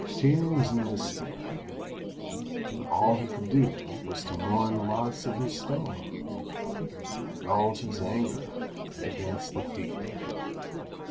Hsing was in despair; but all he could do was to mourn the loss of his stone, and indulge his anger against the thief.